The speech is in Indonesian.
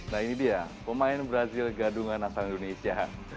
nah ini dia pemain brazil gadungan asal indonesia